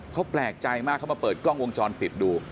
เขาแปลกใจมากเขามาเปิดกล้องวงจรปิดดู